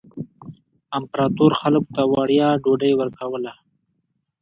امپراتور خلکو ته وړیا ډوډۍ ورکوله.